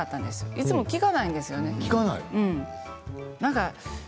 いつも聞かないんですよね。